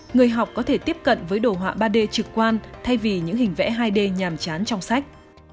người học có thể tiếp cận với đồ họa ba d trực quan thay vì những hình vẽ hai d nhàm chán trong sách